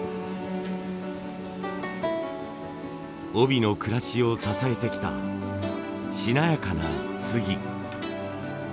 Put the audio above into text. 飫肥の暮らしを支えてきたしなやかなスギ。